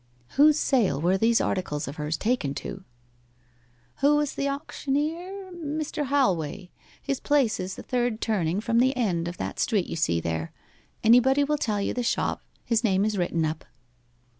'Whose sale were these articles of hers taken to?' 'Who was the auctioneer? Mr. Halway. His place is the third turning from the end of that street you see there. Anybody will tell you the shop his name is written up.